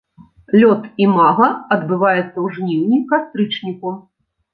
Лёт імага адбываецца ў жніўні-кастрычніку.